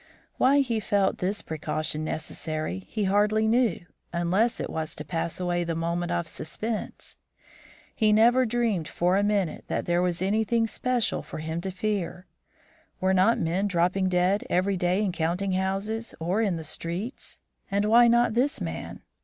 Why he felt this precaution necessary he hardly knew, unless it was to pass away the moment of suspense. He never dreamed for a minute that there was anything special for him to fear. Were not men dropping dead every day in counting houses or in the streets? And why not this man?